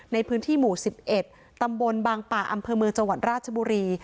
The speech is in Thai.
ในพื้นที่หมู่๑๑ตำบลบางป่าอำเภอเมืองจังหวัดราชบุรี